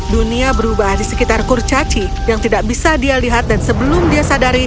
dunia berubah di sekitar kurcaci yang tidak bisa dia lihat dan sebelum dia sadari